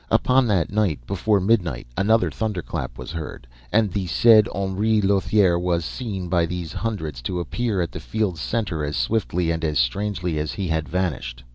Upon that night before midnight, another thunderclap was heard and the said Henri Lothiere was seen by these hundreds to appear at the field's center as swiftly and as strangely as he had vanished.